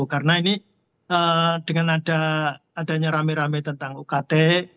karena ini dengan adanya rame rame tentang ukt